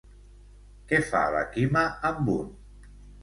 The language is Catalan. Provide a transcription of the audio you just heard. Què fa la Quima amb un?